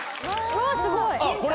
うわっすごい。